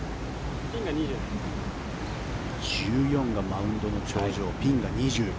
１４がマウンドの頂上ピンが２０。